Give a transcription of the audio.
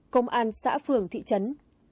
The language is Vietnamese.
công an xã phường thị trấn